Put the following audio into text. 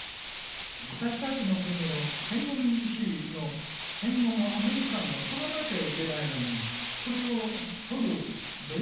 私たちの国の戦後民主主義の戦後もアメリカンも取らなきゃいけないのにそれを取る努力をしてない。